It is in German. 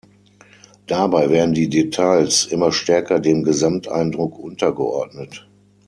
Dabei werden die Details immer stärker dem Gesamteindruck untergeordnet.